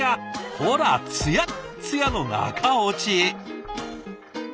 ほらツヤッツヤの中落ち！